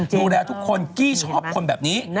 ดูแลทุกคนกี้ชอบคนแบบนี้